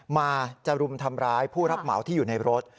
มาจะรุมทำร้ายผู้รับเหมาที่อยู่ในรถ